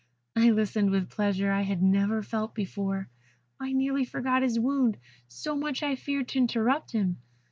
I listened with a pleasure I had never felt before; I nearly forgot his wound, so much I feared to interrupt him.